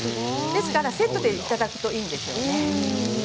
ですから、セットでいただくといいんですよね。